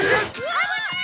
危ない！